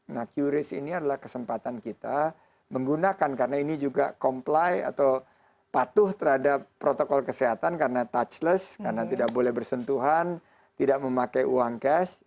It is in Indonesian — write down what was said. nah qris ini adalah kesempatan kita menggunakan karena ini juga comply atau patuh terhadap protokol kesehatan karena touchless karena tidak boleh bersentuhan tidak memakai uang cash